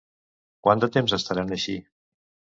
Quant de temps estaran així?